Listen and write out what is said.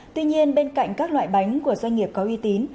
tuy nhiên bên cạnh các loại bánh của doanh nghiệp có uy tín